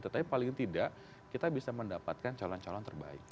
tetapi paling tidak kita bisa mendapatkan calon calon terbaik